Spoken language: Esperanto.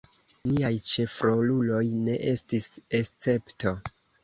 Niaj ĉefroluloj ne estis escepto.